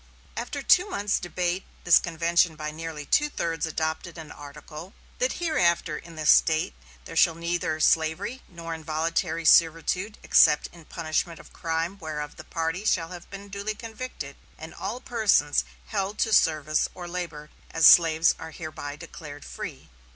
After two months' debate this convention by nearly two thirds adopted an article: "That hereafter in this State there shall be neither slavery nor involuntary servitude except in punishment of crime whereof the party shall have been duly convicted; and all persons held to service or labor as slaves are hereby declared free."